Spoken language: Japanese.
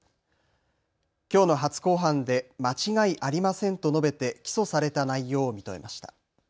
きょうの初公判で間違いありませんと述べて起訴された内容を認めました。